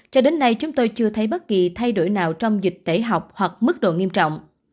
cho đến nay chúng tôi chưa thấy bất kỳ thay đổi nào trong dịch tễ học hoặc mức độ nghiêm trọng